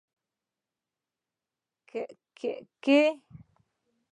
کښې